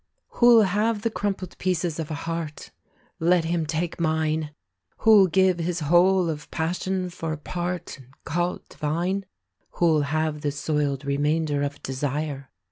Who'll have the crumpled pieces of a heart? Let him take mine! Who'll give his whole of passion for a part, And call't divine? Who'll have the soiled remainder of desire?